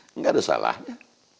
tidak ada salahnya